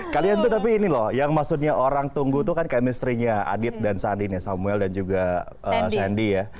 kalian tuh tapi ini loh yang maksudnya orang tunggu tuh kan chemistry nya adit dan sandi nih samuel dan juga shandy ya